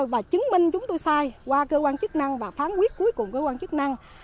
và chứng minh chúng tôi sai qua cơ quan chức năng và phán quyết cuối cùng cơ quan chức năng